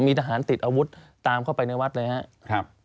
มีทหารติดอาวุธตามเข้าไปในวัดเลยครับ